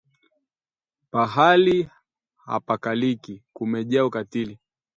Pahali hapakaliki, kumejaa ukatili